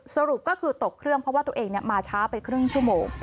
สรุปก็คือตกเครื่องเพราะว่าตัวเองมาช้าไปครึ่งชั่วโมง